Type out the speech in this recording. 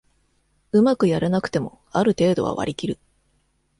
うまくやれなくてもある程度は割りきる